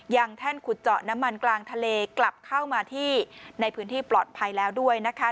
แท่นขุดเจาะน้ำมันกลางทะเลกลับเข้ามาที่ในพื้นที่ปลอดภัยแล้วด้วยนะคะ